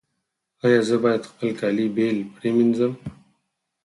ایا زه باید خپل کالي بیل پریمنځم؟